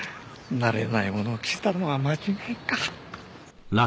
慣れないものを着せたのが間違いか。